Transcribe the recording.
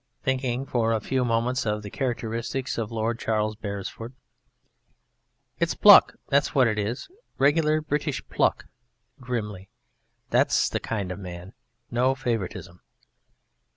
(Thinking for a few moments of the characteristics of Lord Charles Beresford.) It's pluck that's what it is regular British pluck (Grimly) That's the kind of man no favouritism.